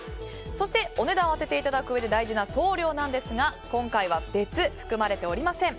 そしてお値段を当てていただくうえで大事な送料ですが今回は別、含まれておりません。